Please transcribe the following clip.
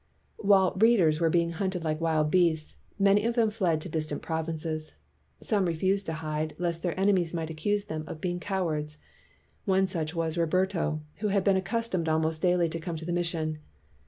While "readers" were being hunted like wild beasts, many of them fled to distant provinces. Some refused to hide, lest their enemies might accuse them of being cow ards. One such was Roberto, who had been accustomed almost daily to come to the mis sion.